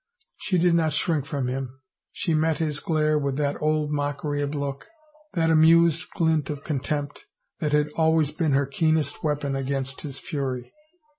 She did not shrink from him; she met his glare with that old mockery of look, that amused glint of contempt, that had always been her keenest weapon against his fury.